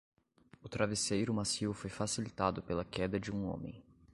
O travesseiro macio foi facilitado pela queda de um homem.